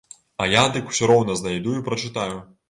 А я дык усё роўна знайду і прачытаю.